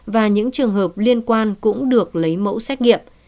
và những trường hợp liên quan cũng được lấy mẫu xét nghiệm